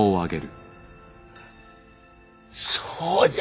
そうじゃ。